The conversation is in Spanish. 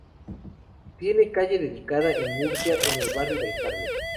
Tiene calle dedicada en Murcia, en el Barrio del Carmen.